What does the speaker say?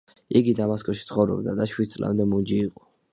იგი დამასკოში ცხოვრობდა და შვიდ წლამდე მუნჯი იყო.